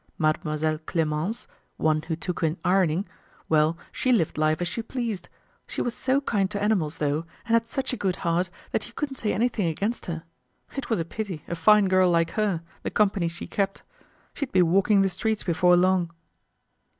Mademoiselle Clemence, one who took in ironing, well, she lived life as she pleased. She was so kind to animals though and had such a good heart that you couldn't say anything against her. It was a pity, a fine girl like her, the company she kept. She'd be walking the streets before long.